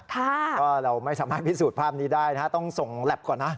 ก็เราไม่สามารถพิสูจน์ภาพนี้ได้นะฮะต้องส่งแล็บก่อนนะ